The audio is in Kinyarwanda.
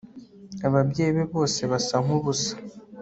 Ababyeyi be bose basa nkubusa